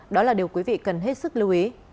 đó là điều quý vị cần hết sức lưu ý